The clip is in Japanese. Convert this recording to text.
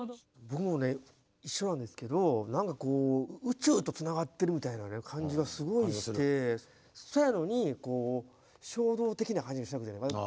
僕もね一緒なんですけど何かこう宇宙とつながっているみたいな感じがすごいしてそやのにいや行ってみたくなりますね